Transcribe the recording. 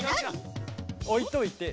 おいといて。